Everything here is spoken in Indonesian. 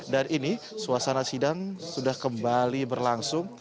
dan ini suasana sidang sudah kembali berlangsung